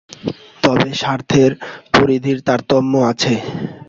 তবে স্বার্থের পরিধির তারতম্য আছে।